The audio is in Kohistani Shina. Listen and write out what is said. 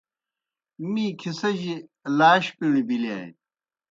می کِھسِجیْ لاشیْ پݨیْ بِلِیانیْ۔